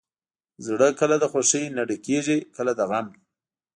زړه کله د خوښۍ نه ډکېږي، کله د غم.